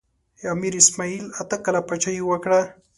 امیر اسماعیل اته کاله پاچاهي وکړه.